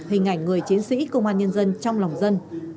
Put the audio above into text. hình ảnh người chiến sĩ công an nhân dân trong lòng dân